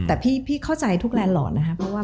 แต่พี่เข้าใจทุกประสบคำว่า